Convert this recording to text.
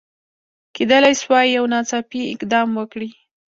کېدلای سوای یو ناڅاپي اقدام وکړي.